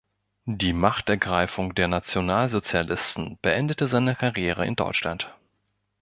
Die Machtergreifung der Nationalsozialisten beendete seine Karriere in Deutschland.